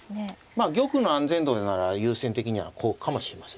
まあ玉の安全度でなら優先的にはこうかもしれません。